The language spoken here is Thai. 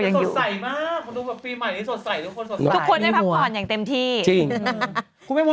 สดใสมากคนดูประวัติปีใหม่นี้สดใสทุกคน